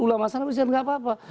ulama sana beristihad tidak apa apa